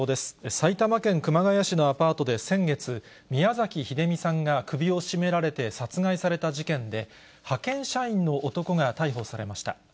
埼玉県熊谷市のアパートで先月、宮崎英美さんが首を絞められて殺害された事件で、派遣社員の男が逮捕されました。